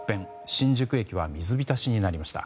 新宿駅は水浸しになりました。